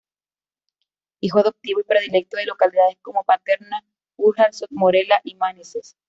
Hijo adoptivo y predilecto de localidades como Paterna, Burjassot, Morella y Manises.